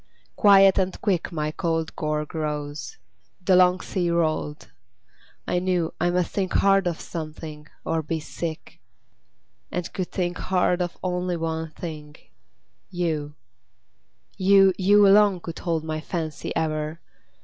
Quiet and quick My cold gorge rose; the long sea rolled; I knew I must think hard of something, or be sick; And could think hard of only one thing YOU! You, you alone could hold my fancy ever!